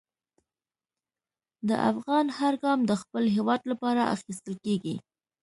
د افغان هر ګام د خپل هېواد لپاره اخیستل کېږي.